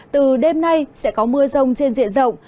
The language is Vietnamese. từ đêm nay sẽ có mưa rông trên diện rộng